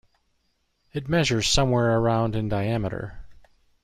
It measures somewhere around in diameter.